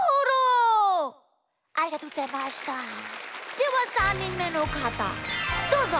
ではさんにんめのかたどうぞ！